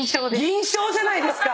銀賞じゃないですか。